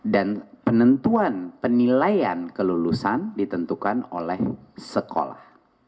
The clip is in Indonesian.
dan penentuan penilaian kelulusan ditentukan oleh sekolah